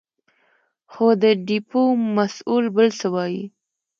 خو د ډېپو مسوول بل څه وايې.